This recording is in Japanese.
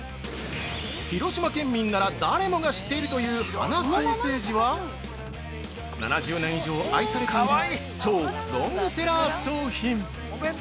◆広島県民なら誰もが知っているという「花ソーセージ」は７０年以上愛されている超ロングセラー商品。